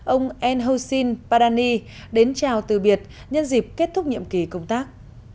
ông en hosin fadani đến chào từ biệt nhân dịp kết thúc nhiệm kỳ công tác